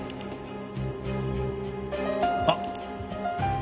あっ！